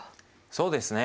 そうですね。